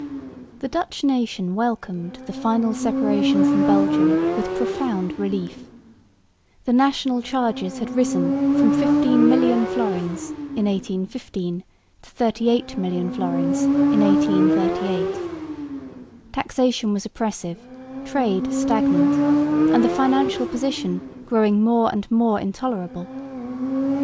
1842 1849 The Dutch nation welcomed the final separation from Belgium with profound relief. The national charges had risen from 15 million florins in 1815 to 38 million florins in 1838. Taxation was oppressive, trade stagnant, and the financial position growing more and more intolerable.